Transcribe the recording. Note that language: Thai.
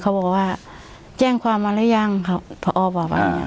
เขาบอกว่าแจ้งความมาแล้วยังครับพอออบอกว่าอ่า